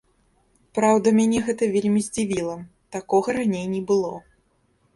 Праўда, мяне гэта вельмі здзівіла, такога раней не было.